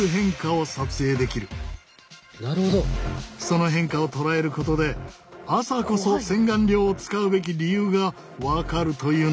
その変化をとらえることで朝こそ洗顔料を使うべき理由が分かるというのだ。